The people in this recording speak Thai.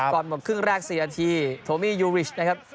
ก่อนหมดครึ่งแรก๔นาทีโทมี่ยูริชนะครับ